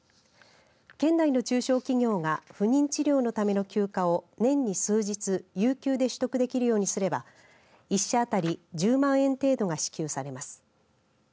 県内の中小企業が不妊治療のための休暇を年に数日有給で取得できるようにすれば１社当たり１０万円程度が支給されます。